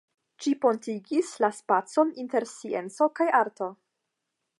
Ĝi pontigis la spacon inter scienco kaj arto.